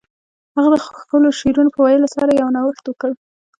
هغه د ښکلو شعرونو په ویلو سره یو نوښت وکړ